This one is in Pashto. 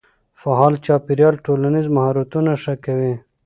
فعال چاپېريال ټولنیز مهارتونه ښه کوي.